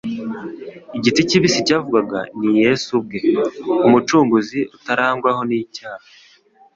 Igiti kibisi cyavugwaga ni Yesu ubwe, Umucunguzi utarangwaho icyaha.